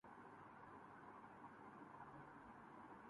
ہیر مان جا علی رحمن اور حریم فاروق کی رومانوی کہانی